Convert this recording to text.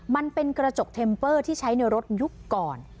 มันเป็นกระจกเทมเปอร์ที่ใช้ในรถยุคก่อน